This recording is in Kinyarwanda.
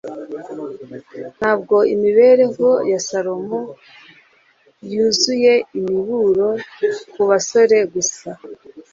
ntabwo imibereho ya salomo yuzuye imiburo ku basore gusa